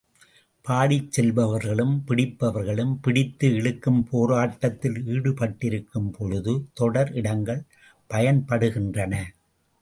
பாடிச் செல்பவர்களும் பிடிப்பவர்களும் பிடித்து இழுக்கும் போராட்டத்தில் ஈடுபட்டிருக்கும்பொழுது தொடர் இடங்கள் பயன்படுகின்றன.